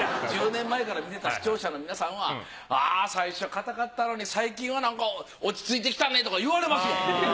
１０年前から見てた視聴者の皆さんは最初かたかったのに最近は落ち着いてきたねとか言われますもん。